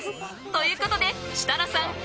ということで設楽さん